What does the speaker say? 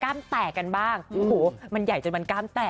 แตกกันบ้างโอ้โหมันใหญ่จนมันกล้ามแตก